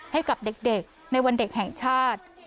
ให้กับเด็กในวันเด็กแห่งชาติ